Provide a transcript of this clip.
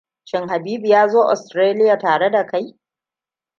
Shin Habibu ya zo Australia tare da kai?